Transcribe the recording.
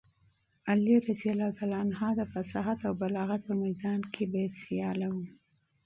علي رض د فصاحت او بلاغت په میدان کې بې سیاله و.